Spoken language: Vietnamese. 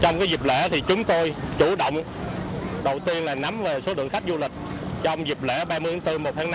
trong dịp lễ thì chúng tôi chủ động đầu tiên là nắm số lượng khách du lịch trong dịp lễ ba mươi bốn một năm